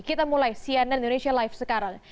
kita mulai cnn indonesia live sekarang